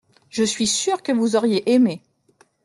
Je suis sûr que vous auriez aimé.